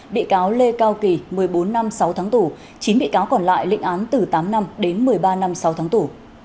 bị cáo lê cao kỳ một mươi bốn năm sáu tháng tù chín bị cáo còn lại lịnh án từ tám năm đến một mươi ba năm sáu tháng tù